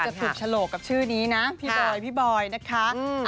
รู้สึกจะถูกฉลกกับชื่อนี้นะพี่บอยนะคะ